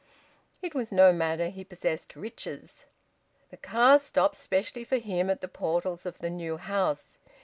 It was no matter; he possessed riches. The car stopped specially for him at the portals of the new house.